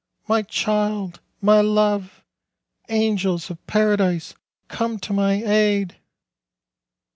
My child! My love! Angels of Paradise, come to my aid